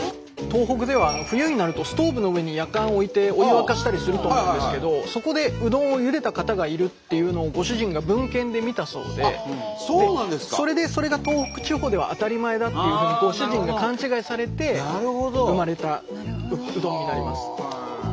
東北では冬になるとストーブの上にやかんを置いてお湯を沸かしたりすると思うんですけどそこでうどんをゆでた方がいるっていうのをご主人が文献で見たそうでそれでそれが東北地方では当たり前だっていうふうにご主人が勘違いされて生まれたうどんになります。